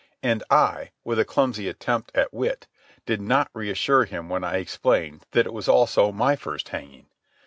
And I, with a clumsy attempt at wit, did not reassure him when I explained that it was also my first hanging.